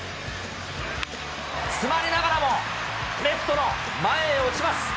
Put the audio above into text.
詰まりながらも、レフトの前へ落ちます。